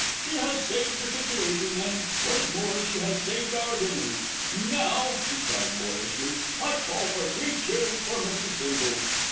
"She has saved the situation and, what is more, she has saved our dinners. Now," he cried boyishly, "I call for three cheers for Mrs. Bindle."